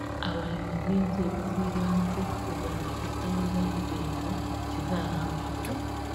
abayobozi b’inzego z’ibanze kuzagifata neza kugira ngo kizarambe